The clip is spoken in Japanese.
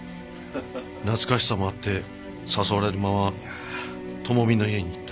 懐かしさもあって誘われるまま智美の家に行った。